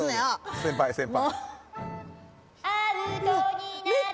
先輩、先輩。